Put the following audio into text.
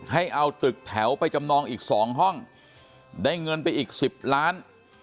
ให้เอาตึกแถวไปจำนองอีก๒ห้องได้เงินไปอีก๑๐ล้าน